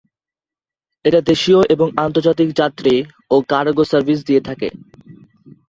এটা দেশীয় এবং আন্তর্জাতিক যাত্রী ও কার্গো সার্ভিস দিয়ে থাকে।